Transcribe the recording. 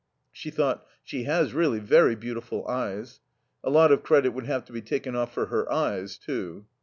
She thought: "She has really very beautiful eyes." A lot of credit would have to be taken off for her eyes, too.